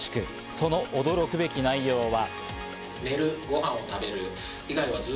その驚くべき内容は。